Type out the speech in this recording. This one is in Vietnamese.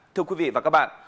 thưa quý vị và các bạn